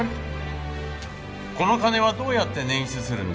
この金はどうやって捻出するんだ？